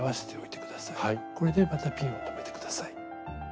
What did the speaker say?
これでまたピンを留めて下さい。